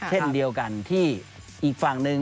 เช่นเดียวกันที่อีกฝั่งหนึ่ง